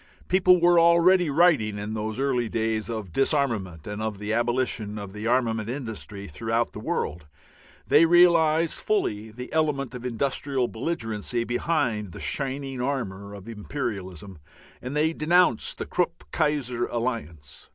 People were already writing in those early days of disarmament and of the abolition of the armament industry throughout the world; they realized fully the element of industrial belligerency behind the shining armour of imperialism, and they denounced the "Krupp Kaiser" alliance.